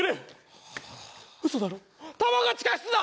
ウソだろ弾が地下室だ！